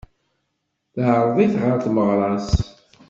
Teεreḍ-it ɣer tmeɣra-s.